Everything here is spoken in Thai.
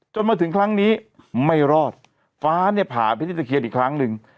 มาถึงครั้งนี้ไม่รอดฟ้าเนี่ยผ่าพิที่ตะเคียนอีกครั้งหนึ่ง